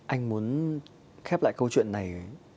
anh muốn khép lại câu chuyện này